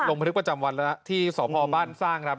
บันทึกประจำวันแล้วนะที่สพบ้านสร้างครับ